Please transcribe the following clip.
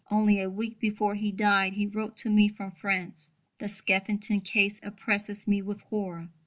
Only a week before he died he wrote to me from France: "The Skeffington case oppresses me with horror."